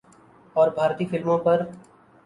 اور بھارتی فلموں پر